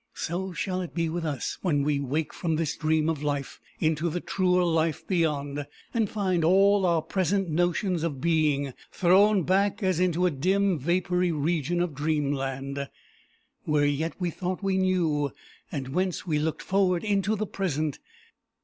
So shall it be with us when we wake from this dream of life into the truer life beyond, and find all our present notions of being, thrown back as into a dim, vapoury region of dreamland, where yet we thought we knew, and whence we looked forward into the present.